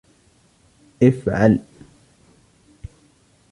افعل.